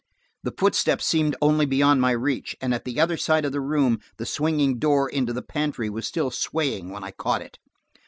The footsteps seemed only beyond my reach, and at the other side of the room the swinging door into the pantry was still swaying when I caught it.